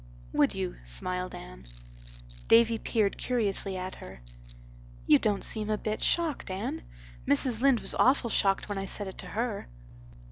"Would you?" smiled Anne. Davy peered curiously at her. "You don't seem a bit shocked, Anne. Mrs. Lynde was awful shocked when I said it to her."